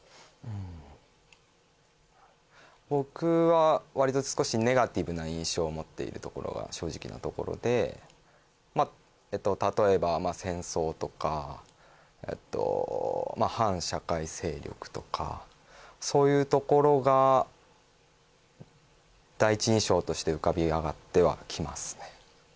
うん僕はわりと少しネガティブな印象を持っているところが正直なところでまあ例えば戦争とかえっと反社会勢力とかそういうところが第一印象として浮かび上がってはきますね